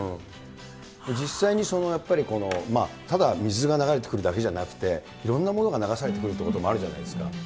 実際に、そのやっぱり、このただ、水が流れてくるだけじゃなくて、いろんな物が流されてくるということもあるじゃないですか。